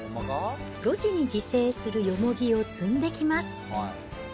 露地に自生するヨモギを摘んできます。